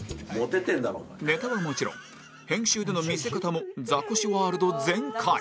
ネタはもちろん編集での見せ方もザコシワールド全開